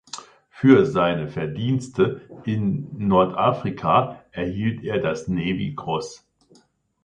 Für seine Verdienste in Nordafrika erhielt er das Navy Cross.